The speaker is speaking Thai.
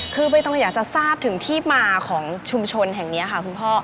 คือใบตองอยากจะทราบถึงที่มาของชุมชนแห่งนี้ค่ะคุณพ่อ